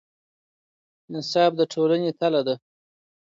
انصاف د ټولنې تله ده.